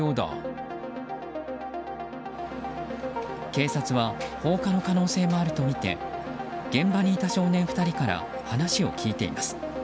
警察は放火の可能性もあるとみて現場にいた少年２人から話を聞いています。